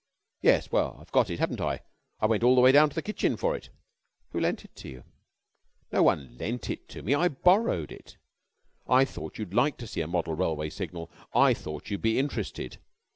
"Yes. Well, I've got it, haven't I? I went all the way down to the kitchen for it." "Who lent it to you?" "No one lent it me. I borrowed it. I thought you'd like to see a model railway signal. I thought you'd be interested.